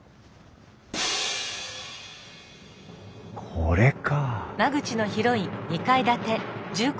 これか！